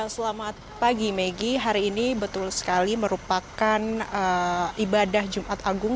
selamat pagi maggie hari ini betul sekali merupakan ibadah jumat agung